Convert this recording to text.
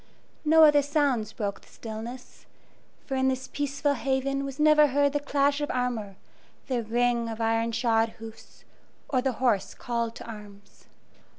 No other sounds broke the stillness, for in this peaceful haven was never heard the clash of armor, the ring of iron shod hoofs, or the hoarse call to arms.